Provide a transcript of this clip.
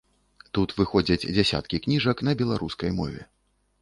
Тут выходзяць дзясяткі кніжак на беларускай мове.